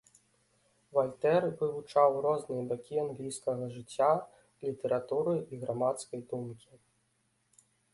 Вальтэр вывучаў розныя бакі англійскага жыцця, літаратуры і грамадскай думкі.